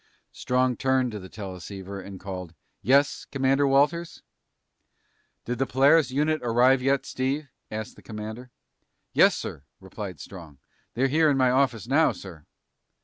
Strong turned to the teleceiver and called, "Yes, Commander Walters?" "Did the Polaris unit arrive yet, Steve?" asked the commander. "Yes, sir," replied Strong. "They're here in my office now, sir."